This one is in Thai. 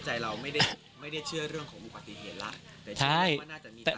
ใจเราไม่ได้ไม่ได้เชื่อเรื่องของบุคติเห็นละใช่แต่